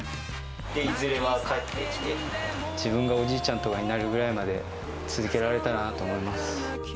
いずれは帰ってきて、自分がおじいちゃんとかになるぐらいまで、続けられたらなと思います。